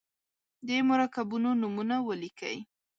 د مرکبونو نومونه ولیکئ.